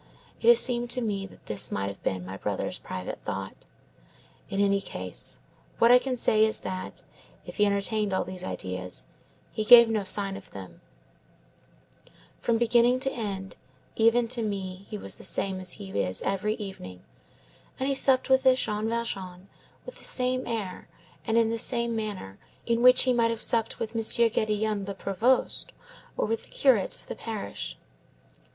It has seemed to me that this might have been my brother's private thought. In any case, what I can say is that, if he entertained all these ideas, he gave no sign of them; from beginning to end, even to me he was the same as he is every evening, and he supped with this Jean Valjean with the same air and in the same manner in which he would have supped with M. Gédéon le Prévost, or with the curate of the parish.